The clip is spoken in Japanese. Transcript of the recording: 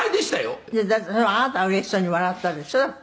「それはあなたがうれしそうに笑ったでしょ？だって」